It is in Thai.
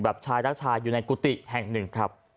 แบบชายรักชายอยู่ในกุฎิแห่งหนึ่ง